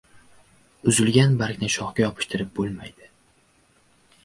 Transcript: • Uzilgan bargni shoxga yopishtirib bo‘lmaydi.